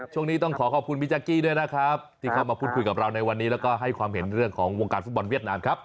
ช่วงนี้ต้องขอขอบคุณพี่แจ๊กกี้ด้วยนะครับที่เข้ามาพูดคุยกับเราในวันนี้แล้วก็ให้ความเห็นเรื่องของวงการฟุตบอลเวียดนามครับ